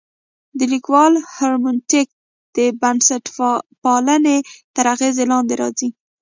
د لیکوال هرمنوتیک د بنسټپالنې تر اغېز لاندې راځي.